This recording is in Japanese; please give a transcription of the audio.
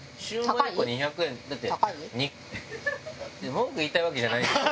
文句言いたいわけじゃないんですよ。